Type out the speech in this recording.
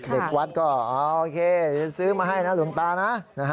เด็กวัดก็โอเคเดี๋ยวซื้อมาให้นะหลวงตานะ